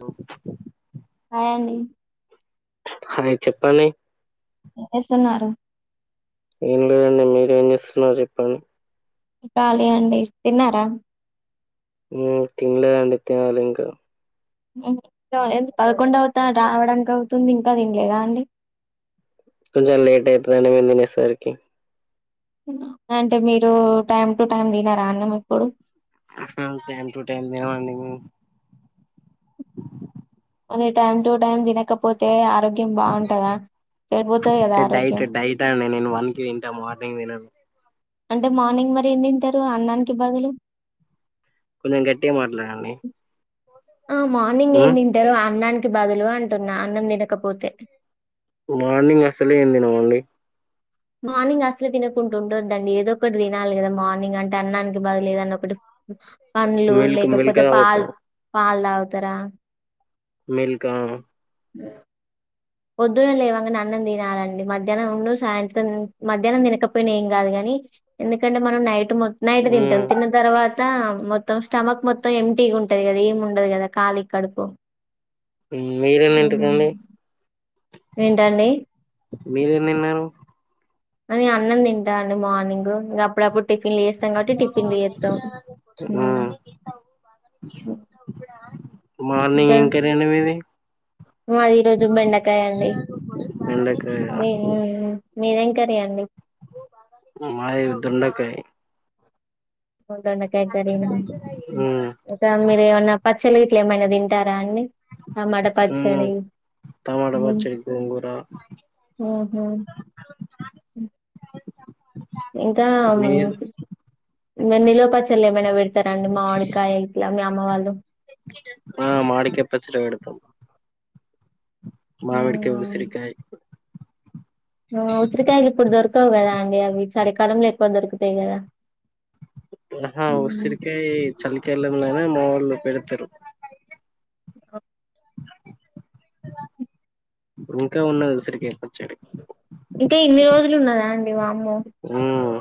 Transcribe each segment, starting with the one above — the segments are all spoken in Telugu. లో హాయ్ అండి హాయ్ చెప్పండి ఎం చేస్తున్నారు ఏం లేదండి మీర ఏం చేస్తున్నారు చెప్పండి ాలీ అండి తిన్నారా మ్ తినలేదండి తినాలి ఇంకా ఎం క పదకొండు అవుతా రావడానికి అవుతుంది ఇంకా తింలేదా అండి కొంచెం లేట్ అవుతదండి మీము తినే సరికి అంటే మీరు టైమ్ టు టైం తినారా అన్నం ఎప్పుడు అహ టైమ్ టు టైమ్ తినవండి మేము అది టైం టు టైం తినకపోతే ఆరోగ్యం బాగుంటదా చెడిపోతది కదా ఆరోగ్యం అంతే అండి నేను వన్ కి తింటా మార్నింగ్ తినను అంటే మార్నింగ్ మరి ఏం తింటారు అన్నానికి బదులు కొంచెం గట్టి మాట్లాడండి ఆహా మార్నింగ్ ఏం మ్మ్ తింటారు అన్నానికి బదులు అంటున్నా అన్నం తినకపోతే మార్నింగ్ అసలే ఏం తినమండి మార్నింగ్ అసలు తినకుంటుండోదండి ఏదో ఒకటి తినాలి కదా మార్నింగ్ అంటే అన్నానికి బదులు ఏదన్న ఒకటి పండ్లు మిల్క్ మిల్క్ లేకపోతే పాల్ తాగుతాం పాలుా తాగుతర మీల్కా మ్ పోద్దున లేవగనే అన్నం తినాలండి మధ్యాహ్నం ఉన్ను సాయంత్రం మధ్యాహ్నం తినకపోయినా ఏం కాదుగాని ఎందుకంటే మనం నైట్ మ నైట్ మ్మ్ తింటాం తిన్న తర్వాత మొత్తం స్టమక్ మొత్తం ఎటీ ఉం టది కదా ఏం ఉండదు కదా కాళి కడుపు మ్ మీరేం హ్మ్. తింటరండి ఏంటండి మీరెం తిన్నారు అ నీను అన్నం తింటా అండి మార్నింగ్ ఇగ అప్పుడప్పుడు టిఫిన్లు చేస్తాం కాబట్టి టిఫిన్లుచేస్తాం మ్ మార్నింగ్ ఎం ఇంకా కర్రీ అండి మీది మాది ఈ రోజు బెండకాయ అండి మీద్ మ్ మ్ మీదెం కర్రీ అండి మాది దొండకాయ్ దొండకాయ్ కర్రీనా ఇంక మీరు ఏమన్నా పచ్చళ్ళు గిట్ల ఏమైనా తింటారా అండి టమాట ఉమ్ పచ్చడి టమాట పచ్చడి గోంగూర ఉహు ఇంకా మీరు నిల్వ పచ్చళ్ళు ఏమైనా పెడ్ త్తరండి మామిడికాయ గిట్ల మీ అమ్మ వాళ్ళు ఆ మామీడికయ పచ్చడ పెడుతం మావిడికాయ్ మ్మ్. ఉసిరికాయ్ ఓ ఉసిరికాయలు ఇప్పుడు దొరకవు కదా అండి అవి చలికాలంలో ఎక్కువ దొరుకుతాయి కదా అహా మ్మ్. ఉసిరికాయ చలికి కాలంలనే మా వాళ్ళు పెడుతారు ఓ [inaudible] ఇంకా ఉన్నది ఉసిరికాయ పచ్చడి ఇంకా ఇన్ని రోజులు ఉన్నదా అండి వామ్మో మ్మ్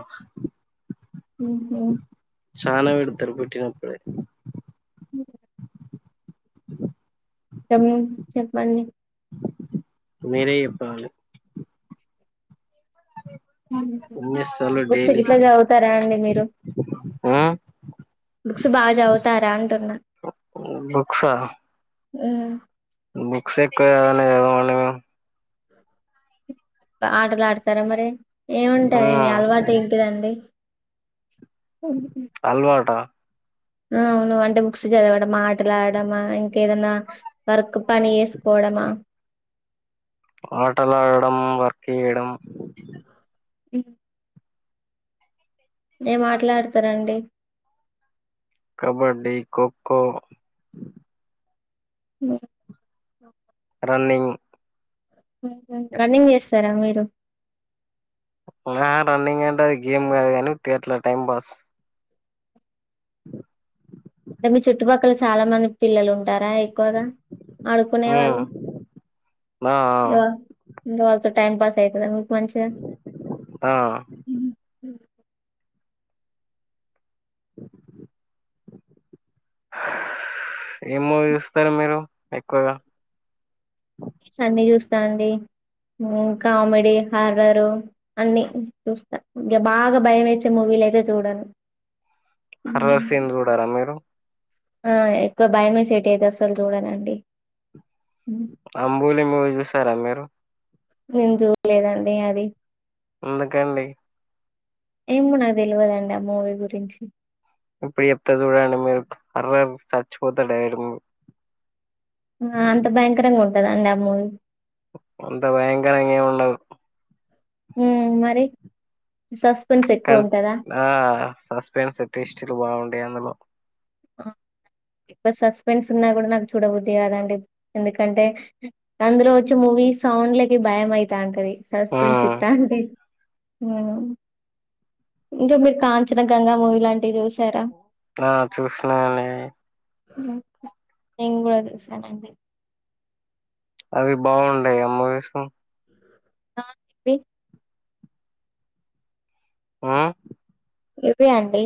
ఉమ్ ఉ చాలా ఏడుత్తరు పుట్టినప్పుడే. ఉమ్ సమయం చెప్పండి మీరే చెప్పాలి. ఉమ్ ఏం చేస్తాలు బుక్స్ డైలీ గిట్ల చదువుతరా అండి మీరు? ఆ బుక్స్ బా చదువుతారా అంటున్నా? ఆ బుక్స ఎక్కువ చదవలేదు. ఆటలు ఆడతారా మరి, ఏముంటాయి మీ మ్మ్ అలవాటు ఏంటిదండీ? [unintelligible] అల్వాటా ఉమ్ అవును అంటే బుక్స్ చదవడమా, మాటలాడడమా, ఇంకేదన్నా? వర్క్ పని చేసుకోవడమా? ఆటలు ఆడడం, వర్క్ చేయడం ఇ ఏ ఆట్లాడతరండి? కబడ్డీ, క్కొ క్కో [unintelligible] రన్నింగ్ ఉహు రన్నింగ్ చేస్తరా మీరు? ఆ రన్నింగ్ అంటే అది గేమ్ కాదు గనీ, ఉత్తిగా అట్లా టైం పాస్. అంటే మీ చుట్టుపక్కల చాలా మంది పిల్లలు ఉంటారా ఎక్కువగా? ఆడుకునేవాళ్ళు మ్మ్ ఆ యవరు ఇంకా వాళ్ళతో టైమ్ పాస్ ఐతదా మీకు మంచిగా? ఆ [inaudible] ఏం మూవీ చూస్తారు మీరు ఎక్కువగా? మూవీస్ అన్ని చూస్తానండి, ఉమ్ కామెడీ, హర్రరు అన్ని చూస్తా, ఇంగా బాగా భయమేసే మూవీలు అయితే చూడను. హోర్రర్స్ ఏం చూడరా మీరు? ఆ ఎక్కువ భయమేసెటి అయితే అస్సలు చూడనండి. ఉమ్ అంబూలి మూవీ చూసారా మీరు? నేను చూల్లేదండి అది. ఎందుకండి? ఏమో నా తెలవదండి ఆ మూవీ గురించి. ఇప్పుడు చెప్త చూడండి, మీక్ అర్దం చచ్చిపోతా డై మీర్ ఆ అంత భయంకరంగా ఉంటద అండి ఆ మూవి? ఎంత భయంకరంగా ఏం ఉండదు. ఉమ్ మరి సస్పెన్స్ ఎక్కువ కానీ ఉంటందా? ఆ సస్పెన్సే ట్విస్టులు బాగుంటయి అందులో. ఎక్కువ సస్పెన్స్ ఉన్నా గుడ నాకు చూడబద్ది కాదండి, ఎందుకంటే అందులో వచ్చే మూవీ సౌండ్లకి భయం అయితా అంతది, సస్పెన్స్ హ్మ్ ఇత్తాంటె ఉమ్ ఇంకా మీరు కాంచన, గంగా మూవీ లాంటివి చూసారా? ఆ చూసినమండి. నేను కూడా చూసనండి అవి బాగుంటాయా అ మూవీస్ ప్పి హ్ ఇవే అండి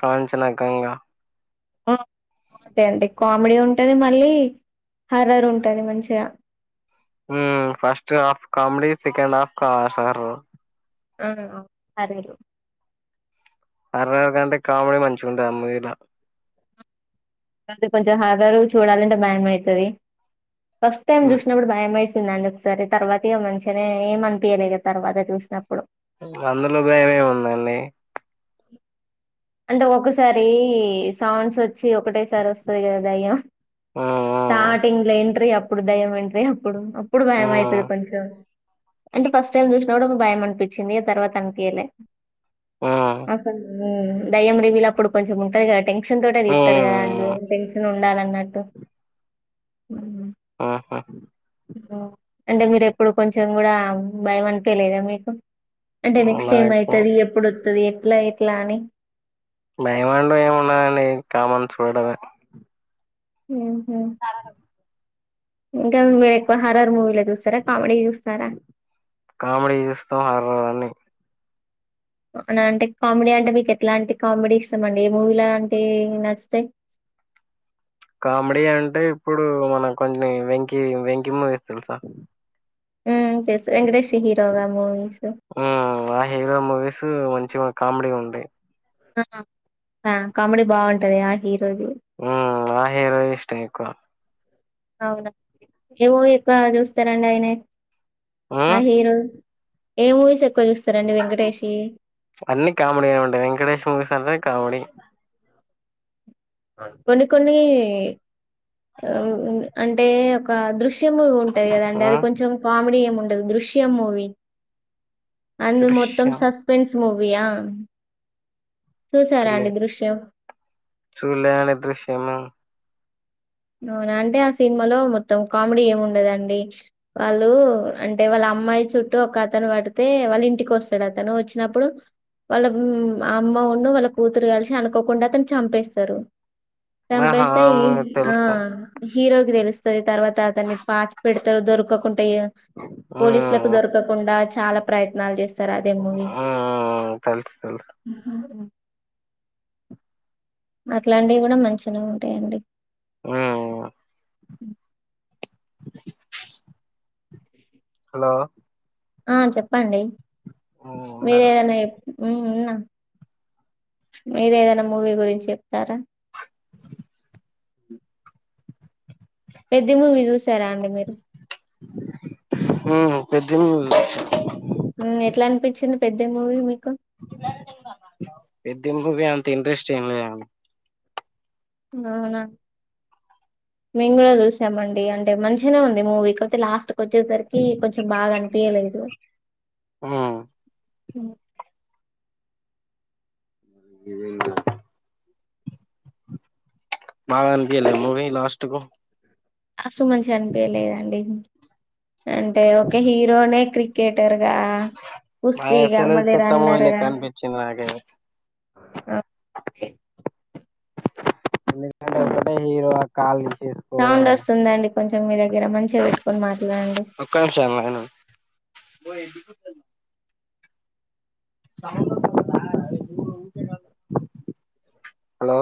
కాంచన గంగా ఓ బాగుంటాయి అండి కామెడీ ఉంటది మళ్ళీ హర్రర్ ఉంటది మంచిగా హ్ first half comedy second half sir [unintelligible] ఆరేరు horror కంటే కామెడీ మంచిగా ఉంటంది అ మూవీలా తే కొంచెం హాగరు చూడాలంటే భయంమవుతుది ఫస్ట్ టైమ్ చూసినప్పుడు భయంమయి వచ్చిందండి. ఒకసారి తర్వాత ఇగా మంచిగానే ఏం అనిపించలే కదా తర్వాత చూసినప్పుడు అందులో భయంమేమి ఉండదండి అంటే ఒకసారి సౌండ్స్ వ చి ఒకటే సారే వస్తది కదా దయ్యం అవునా స్టార్టింగ్ లో ఎంట్రీ అప్పు అప్పుడు ద్యమంట్రి అప్పుడు అప్పుడు భయం అయితది కొంచెం అంటే ఫస్ట్ టైమ్ చూసినా కూడా ఒక భయం అనిపించింది. ఆ తర్వాత అనీపియాలే అసలు దయ్యం రివిలు అప్పుడు కొంచెం ఉంటంది కదా టెన్షన్ తోటే తిత్తరు కదా అండి టెన్షన్ చాలన్నట్టు హ్ అంటే మీరు ఎప్పుడు కొంచెం కూడా భయం అనిపియా లేదా మీకు అంటే నెక్స్ట్ నాకు ఏమయితది ఎప్పుడోత్తది ఎట్లా ఎట్లా అని భైమాండ ఏమి ఉన్నాదండి. కామన్ చూడడామే ఉహ్ ఇంకా మీరు ఎక్కువ హార్రర్ మూవీస్ చూస్త రా కామెడీ చూస్తారా కామెడీ చూస్తాం హర్రర్ అన్ని అంటే కామెడీ అంటే మీకు ఎట్లాంటి కామెడీ ఇష్టాం అండి ఏ మూవీ లాంటి నచ్చితయి కామెడీ అంటే ఇప్పుడు మన కొన్నీ వెంకీ వెంకీ మూవీస్ తెలుసా హ్ చేస్తా వెంకటేష్ హీరోగా మూవీస్ హ్ ఆ హీరో మూవీస్ మంచిగా కామెడీగా ఉంటాయి. కామెడీ బాగుంటది ఆ హీరోది ఉ ఆ హీరో యే ఇష్టం ఎక్కువ అవునా ఏమో ఎక్కువ చూస్తారండి. ఆయన ఆ ఉమ్, హీరో ఏ మూవీస్ ఎక్కువ చూస్తారండి. వెంకటేష్ వి అన్ని కామెడీ గా ఉంటాయి వెంకటేష్ ముూవీస్ అంటే కామెడీ కొన్ని కొన్ని అహ్ అంటే ఒక దృశ దృశ్య మూవీ ఉంటది కదాండి అది ఉమ్, కొంచెం కామెడీ ఏమి ఉండదు దృశ్యము మూవీ అన్నీ మొత్తం దృశ్యం సస్పెన్స్ మూవీయా చూసారా అండి మొత్తం చూడాలే అండి దృశ్యము అవునా అంటే ఆ సినిమాలో మొత్తం కామెడీ ఏమి ఉండదండి వాళ్ళు అంటే వాళ్ళ అమ్మాయి చుట్టూ ఒక అతను పడితే వాళ్ళ ఇంటికి వస్తాడు అతను ఓచ్చినప్పుడు వాళ్ళ అమ్మ ఉన్ను వాళ్ళ కూతురు కలిసి అనుకోకుండా అతన్నీ చంపేస్తారు ఆహా సంపేస్తా ఆ ఇ మూవీ తెలుసు హీరోకి తెలుస్తది తర్వాత అతన్ని పాతీ పెడతారు దొరక ఇగ ఆ పోలీసులకు దొరకకుండా చాలా ప్రయత్నాలు చేస్త రూ ఆదే మూవి ఆ తెలుసు తెలుసు అట్లాంటివి గూడా మంచిగనే ఉంటాయండి. వా ఉవా హలో ఆ చెప్పండి మీర ఏదైనా ఏప్ ఉహ్ ఉన్న మీర ఏదన్నా మూవీ గురించి చెప్తారా. పెద్ది మూవీ జూసారా అండి. మీరు ఉహ్ పెద్ది మూవీ జూసి ఉహ్ ఎట్లా అనిపించింది పెద్ది మూవీ మీకు పెద్ది మూవీ అంత ఇంట్రెస్ట్ ఏం లేదండ్. అవునా మేము కూడా చూసామండి అంటే మంచిగానే ఉంది మూవీ కపోతే లాస్ట్ కొచ్చేసరికి కొంచెం బాగా అనిపయలేదు. ఆహా చీను గివెబలా బాగ్ అనపిలే మూవీ లాస్ట్ కు అసలు మంచిగా అనిపయలేదండి అంటే ఒక హీ లోనే క్రికెటర్గా కుస్తీగా మళ్ళీ రున్నర్గా. చీమగే దాకంటే హీరో ఆ కాలుకి ఇచేసుకోవడం తుందండి కొంచెం మీ దగ్గర మంచిగా పెట్టుకొని మాట్లాడండి. ఒక్క నిమిషం లైన్ ఉన్ హలో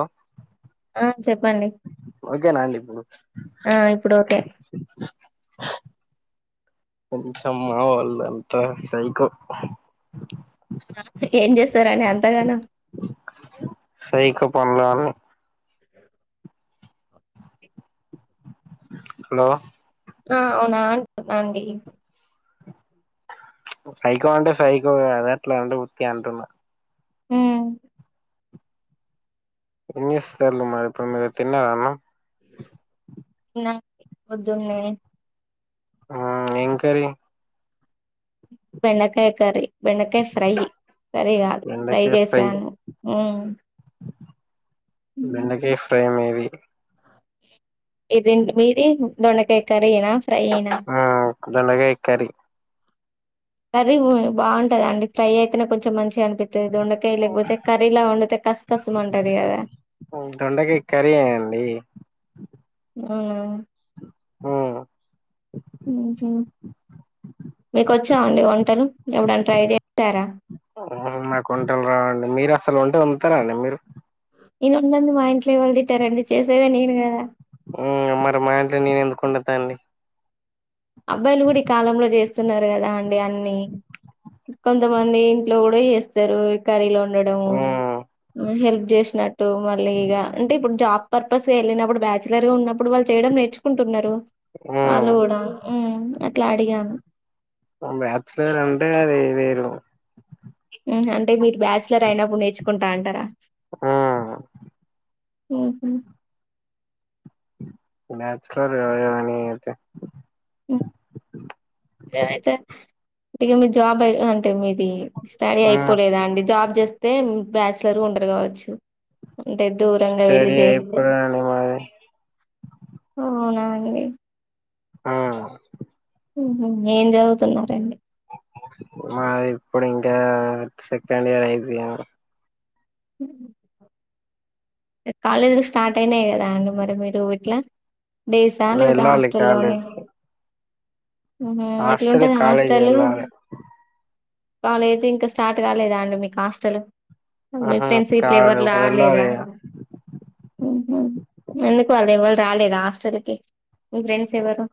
ఆ చెప్పండి. ఓకేనాండి ఇప్పుడు ఆ ఇప్పుడు [inaudible] పోచమ్ మా వోళ్లంతా సైకో ఏం జేస్తారని అంతగానమ్ సైకో పనులనలన్ని హలో ఆ అవునా అంటన్నాండి. సైకో అంటే సైకో కదా ఎట్లా అంటే ఉత్తిగ అంటున్నా. హు ఏంచేస్తార్లే మరి ఇప్పుడు తిన్నారా అన్నం. ఇన్నాం పొద్దున్నే ఏ కర్రీ బెండకాయ కర్రీ బెండకాయ ఫ్రై కర్రీ కాదు ఫ్రై జేసాను ఉహ్మ్ బెండకాయ ఫ్రై మీది. ఈజీంట్ మీది దొండకాయ కర్రీ యేనా ఫ్రై యేనా. ఆ దొండగాయ్ కర్రీ. కర్రీ బు బావుంటదండి. ఫ్రై అయితేనే కొంచెం మంచిగా అనిపిత్ తే దొండకాయ లేకపోతే కర్రీ లా వండితే కస్ కస్ మంటది గదా. ఉహ్ దొండకా కర్రీయే యండి. అవునా ఉమ్ ఉహుహ్ మీకు వచ్చా అండి. వంటలు ఎప్పుడైనా ట్రై చేశారా. నాకు వంటలు రావండి మీరు అసలు వంట వండుతారండి మీరు నేను వండంది మా ఇంట్లో ఎవరు తింటారండీ చేసేదే నేను కదా ఉ మరి మా ఇంట్లో నేను ఎందుకు వండుతా అండి అబ్బాయిలు కూడా ఈ కాలంలో చేస్తున్నారు కదా అండి అన్ని కొంతమంది ఇంట్లో కూడా చేస్తారు కర్రీలో డడం ఉమ్ హెల్ప్ చేసినట్టు మళ్ళీ ఇగ అంటే ఇప్పుడు జాబ్ పర్పస్ వెళ్ళినప్పుడు బ్యాచులర్గా ఉన్నప్పుడు వాళ్ళు చేయడం నేర్చుకుంటున్నారు ఉమ్ వాళ్ళు కూడా ఉ అట్లా అడిగాను బ్యాచలర్ అంటే అది వేరు అంటే మీరు బ్యాచలర్ అయినప్పుడు నేర్చుకుంటా అంటారా ఆ ఉహు బాచులర్నియితే ఏమైతే ఇక మీ జాబ్ అయ అంటే మీది స్టడీ ఉమ్ అయిపోలేదా అండి జాబ్ చేస్తే బ్యాచలర్ ఉండరు కావచ్చు అంటే దూరంగా వెళ్ళి స్టడీ చేస్తే అయిపోలేదండి మాది అవునండి ఆ ఏం చదువుతున్నారండి మాది ఇప్పుడు ఇంకా సెకండ్ ఇయర్ అయిపోయాను కాలేజీలు స్టార్ట్ అయినాయి కదా అండి మరి మీరు ఇట్లా డేస్ను లేకపోతే వెళ్ళాలి హాస్టల్లోనే కాలేజీకి హాస్టల్ ఎట్లాంటది కాలేజ్ హాస్టల్ వెళ్ళాలి కాలేజీ ఇంకా స్టార్ట్ కాలేదా అండి మీకు హస్టలు మీ ఆహా ఫ్రెండ్స్ ఇట్లా కాదు వెళ్ళాలి ఎవరులాలదా ఎందుకు వాళ్ళు ఎవరు రాలేదా హాస్టల్ కి మీ ఫ్రెండ్స్ ఎవ్వరు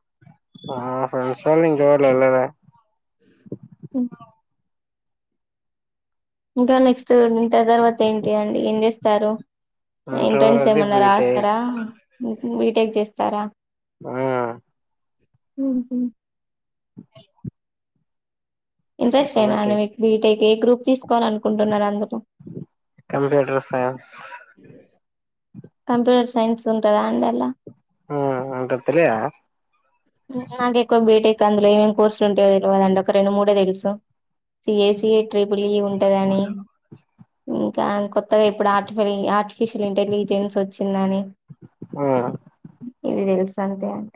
ఆ ఫ్రెడ్స్ అల ఇంకా పోలే ఉ ఇంకా నెక్స్ట్ ఇంటర్ తర్వాత ఏంటి అండి ఏం చేస్తారు ఇంట్రెన్స్ ఇంటర్ది ఏమన్నా బీటెక్ రాస్తారా బీటెక్ చేస్తారా ఆ ఉహు [inaudible] ఇంట్రెస్ట్ అనా అండి బీటెక్ మీకు బిటెకి ఏ గ్రూప్ తీసుకోవాలి అనుకుంటున్నారు అందుర కంప్యూటర్ సైన్స్ కంప్యూటర్ సైన్స్ ఉంటందా అండి అల్లా ఆ ఉంటది తెలియ నాకే బీటెక్ అందులో ఏమేం కోర్సులు ఉంటేతెలిదండి ఒక రెండు మూడే తెలుసు సఏసిఏ ట్రిపుల్ ఈ ఉంటదని ఇంకా కొత్తగా ఇప్పుడు ఆర్టిఫ ఆర్టిఫిషియల్ ఇంటెలిజెన్స్ వచ్చిందని ఇవి తెలుస అంతే అండి